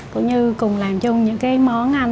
cũng như cùng làm chung những cái món ăn